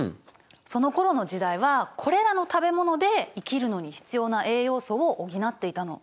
そのころの時代はこれらの食べ物で生きるのに必要な栄養素を補っていたの。